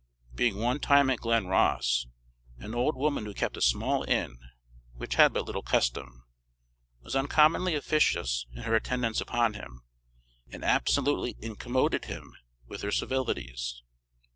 Being one time at Glenross, an old woman who kept a small inn, which had but little custom, was uncommonly officious in her attendance upon him, and absolutely incommoded him with her civilities.